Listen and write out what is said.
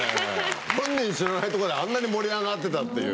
本人知らないとこであんなに盛り上がってたっていう。